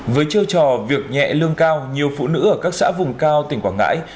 với chiêu trò việc nhẹ lương cao nhiều phụ nữ ở các xã vùng cao tỉnh quảng ngãi